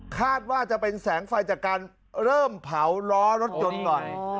คาดว่าจะเป็นแสงไฟจากการเริ่มเผาล้อรถยนต์ก่อน